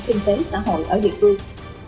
kinh tế xã hội ở địa phương